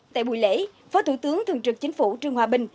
tại buổi lễ phó thủ tướng thường trực chính phủ trương hòa bình